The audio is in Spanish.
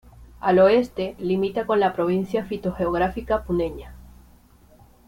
Al oeste limita con la Provincia fitogeográfica Puneña.